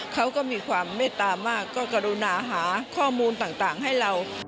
เขาก็มีความเมตตามากก็กรุณาหาข้อมูลต่างให้เรา